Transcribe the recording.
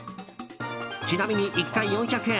ちなみに１回４００円。